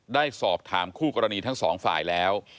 ได้สอบถามคู่กรณีทั้งสองฝ่ายแล้ว